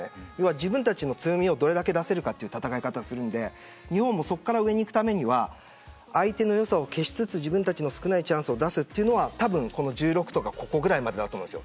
自分たちの強みをどれだけ出せるかという戦い方をするので日本もそこから上にいくためには相手の良さを消しつつ自分たちの少ないチャンスを出すというのは多分、１６とかここぐらいまでだと思います。